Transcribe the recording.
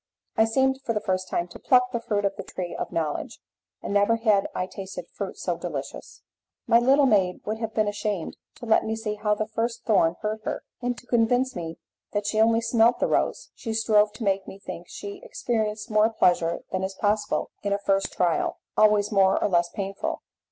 I seemed for the first time to pluck the fruit of the tree of knowledge, and never had I tasted fruit so delicious. My little maid would have been ashamed to let me see how the first thorn hurt her, and to convince me that she only smelt the rose, she strove to make me think she experienced more pleasure than is possible in a first trial, always more or less painful.